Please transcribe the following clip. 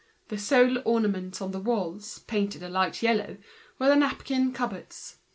The sole ornament on the walls, painted a light yellow, were the napkin cupboards.